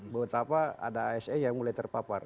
betapa ada asn yang mulai terpapar